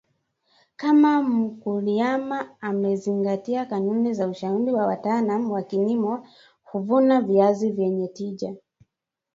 kama mkuliama amezingatia kanuni na ushauri wa wataalam wa kilimo huvuna viazi vyenye tija